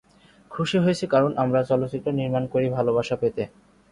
খুশি হয়েছি কারণ আমরা চলচ্চিত্র নির্মাণ করি ভালোবাসা পেতে।